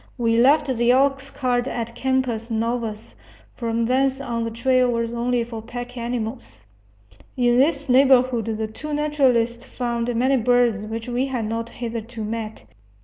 We left the oxcart at Campos Novos; from thence on the trail was only for pack animals. In this neighborhood the two naturalists found many birds which we had not hitherto met.